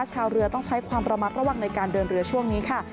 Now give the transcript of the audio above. ชาวเรือต้องใช้ความระมัดระวังในการเดินเรือช่วงนี้ค่ะ